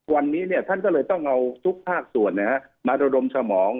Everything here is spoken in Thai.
วันนี้ท่านก็เลยต้องเอาทุกภาคส่วนมาระดมสมอง